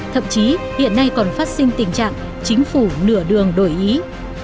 thậm chí hiện nay còn phát sinh tình trạng chính phủ nửa đường đổi ý